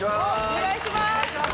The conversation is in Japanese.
お願いします。